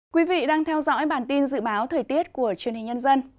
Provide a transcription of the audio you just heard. quý vị đang theo dõi bản tin dự báo thời tiết của truyền hình nhân dân